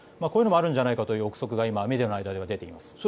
こういうのもあるんじゃないかという臆測がメディアの間では出ています。